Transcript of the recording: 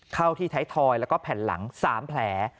เข้าที่ไทยทอยแล้วก็แผ่นหลัง๓แผล